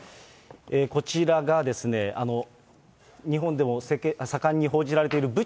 こちらが、日本でも盛んに報じられている。